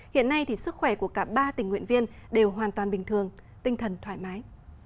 hiện nay thì sức khỏe của cả ba tình nguyện viên đều hoàn toàn bình thường tinh thần thoải mái